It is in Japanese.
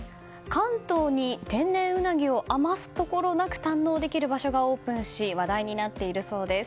関東に天然うなぎを余すところなく堪能できる場所がオープンし話題になっているそうです。